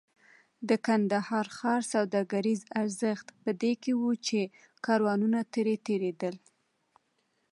د کندهار ښار سوداګریز ارزښت په دې کې و چې کاروانونه ترې تېرېدل.